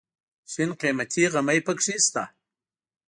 شین قیمتي غمی پکې شته.